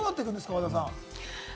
和田さん。